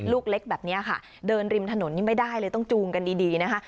ลูกเล็กแบบนี้ค่ะเดินริมถนนนี่ไม่ได้เลยต้องจูงกันดีดีนะคะ